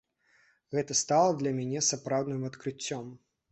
Гэта стала для мяне сапраўдным адкрыццём.